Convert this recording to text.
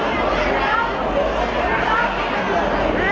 ขอร้าพที่คุณมาก